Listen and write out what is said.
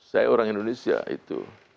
saya orang indonesia itu